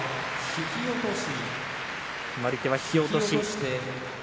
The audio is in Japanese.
決まり手は引き落とし。